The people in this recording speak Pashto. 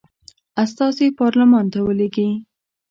استازي پارلمان ته ولیږي.